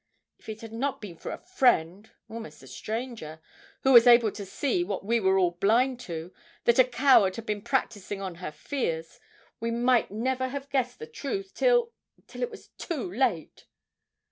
If it had not been for a friend almost a stranger who was able to see what we were all blind to, that a coward had been practising on her fears, we might never have guessed the truth till till it was too late!'